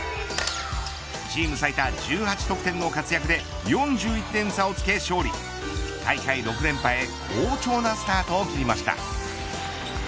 チーム最多１８得点の活躍で４１点の差をつけ勝利大会６連覇へ好調なスタートを切りました。